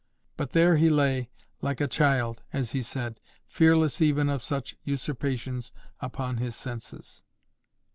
But there he lay like a child, as he said, fearless even of such usurpations upon his senses.